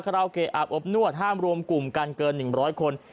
ราวเกะอาบอบนวดห้ามรวมกลุ่มกันเกิน๑๐๐คน